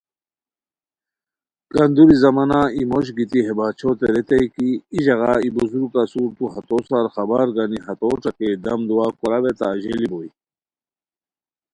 کندوری زمانا ای موش گیتی ہے باچھوتے ریتائے کی ای ژاغا ای بزرگ اسور تو ہتو سار خبر گانی ہتو ݯاکے دم دعا کوراوے تہ اژیلی بوئے